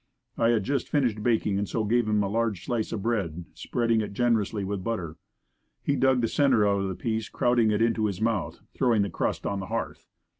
I had just finished baking and so gave him a large slice of bread, spreading it generously with butter. He dug the center out of the piece crowding it into his mouth, throwing the crust on the hearth.